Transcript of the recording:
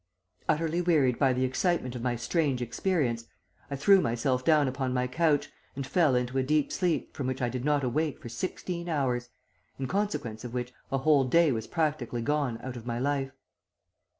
"Utterly wearied by the excitement of my strange experience, I threw myself down upon my couch, and fell into a deep sleep from which I did not awake for sixteen hours, in consequence of which a whole day was practically gone out of my life.